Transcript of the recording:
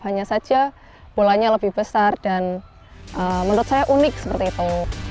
hanya saja polanya lebih besar dan menurut saya unik seperti itu